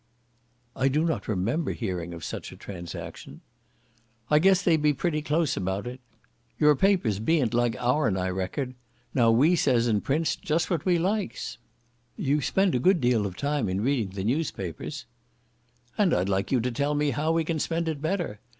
"I do not remember hearing of such a transaction." "I guess they be pretty close about it. Your papers ben't like ourn, I reckon? Now we says and prints just what we likes." "You spend a good deal of time in reading the newspapers." "And I'd like you to tell me how we can spend it better.